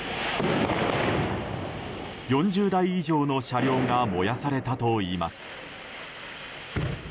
４０台以上の車両が燃やされたといいます。